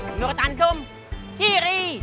menurut antum kiri